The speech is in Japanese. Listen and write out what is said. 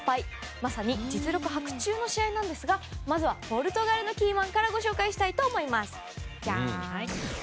まさに実力伯仲の試合なんですがまずは、ポルトガルのキーマンからご紹介します。